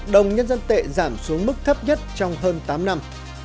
đồng nhân dân tệ giảm xuống mức thấp nhất trong hơn tám năm